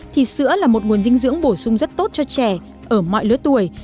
thì sữa là một nguồn dinh dưỡng bổ sung rất tốt cho trẻ ở mọi lứa tuổi